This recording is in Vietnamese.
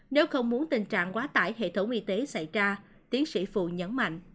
nếu không muốn tình trạng quá tải hệ thống y tế xảy ra tiến sĩ phụ nhấn mạnh